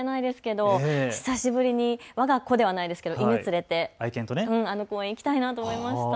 久しぶりに、わが子ではないですけど犬連れてあの公園に行きたいなと思いました。